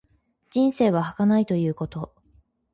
人生は儚いということ。